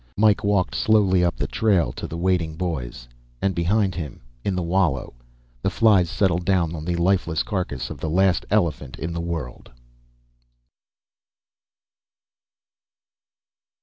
Mike walked slowly up the trail to the waiting boys. And behind him, in the wallow, the flies settled down on the lifeless carcass of the last elephant in the world.